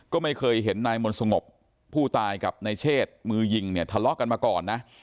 ก็ไม่เคยเห็นนายมนต์สงบผู้ตายกับนายเชษมือยิงเนี่ยทะเลาะกันมาก่อนนะ